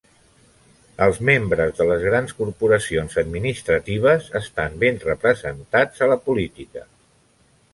Els membres de les grans corporacions administratives estan ben representats a la política.